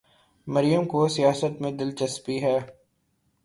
مریم کو سیاست میں دلچسپی ہے۔